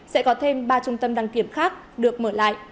sẽ có thêm ba trung tâm đăng kiểm khác được mở lại